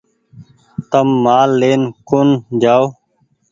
تم مآل لين ڪون جآئو